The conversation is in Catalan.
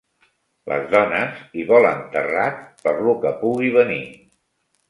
Les dones hi volen terrat per lo que pugui venir.